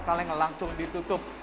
sekarang langsung ditutup